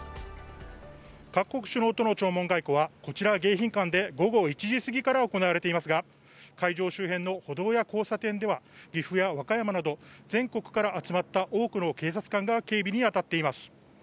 各国首脳との弔問外交はこちら、迎賓館で午後１時すぎから行われていますが会場周辺の歩道や交差点では、岐阜や和歌山など全国から集まった多くの警察官が警備に当たっています。